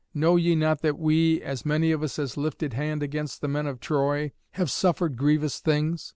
Know ye not that we, as many of us as lifted hand against the men of Troy, have suffered grievous things?